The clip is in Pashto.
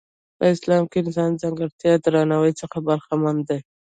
په اسلام کې انسان ځانګړي درناوي څخه برخمن دی.